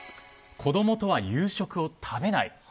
子供とは夕食を食べない。